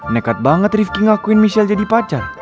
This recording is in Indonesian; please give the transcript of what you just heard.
nekat banget rifki ngakuin michelle jadi pacar